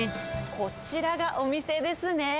こちらがお店ですね。